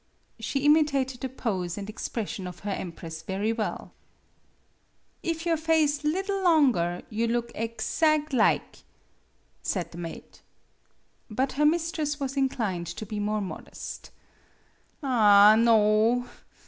She imitated the pose and expression of her empress very well. " If your face liddle longer you loog ezag' lig," said the maid. But her mistress was inclined to be more modest. " Ah, no.